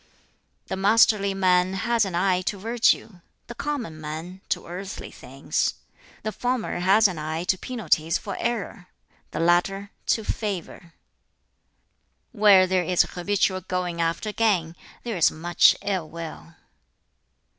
"The masterly man has an eye to virtue, the common man, to earthly things; the former has an eye to penalties for error the latter, to favor. "Where there is habitual going after gain, there is much ill will.